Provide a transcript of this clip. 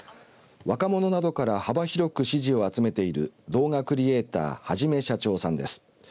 若者などから幅広く支持を集めている動画クリエイターはじめしゃちょーさんです。